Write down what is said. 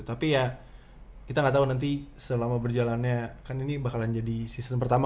tapi ya kita nggak tahu nanti selama berjalannya kan ini bakalan jadi season pertama